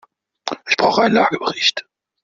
Ich brauche einen Lagebericht.